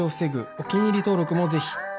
お気に入り登録もぜひ